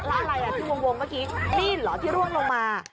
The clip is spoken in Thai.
แล้วอะไรที่วงเมื่อกี้เหรอที่ร่วงลงมา